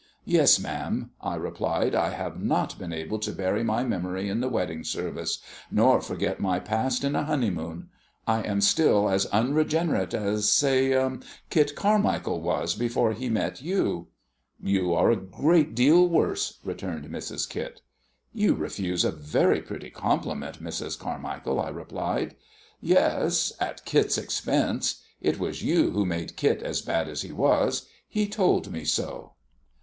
"Yes, ma'am," I replied, "I have not been able to bury my memory in the wedding service, nor forget my past in a honeymoon. I am still as unregenerate as, say, Kit Carmichael was before he met you." "You are a great deal worse," returned Mrs. Kit. "You refuse a very pretty compliment, Mrs. Carmichael," I replied. "Yes, at Kit's expense. It was you who made Kit as bad as he was. He told me so."